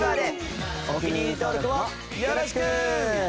お気に入り登録もよろしく！